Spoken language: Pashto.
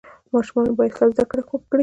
ماشومان باید ښه زده کړه وکړي.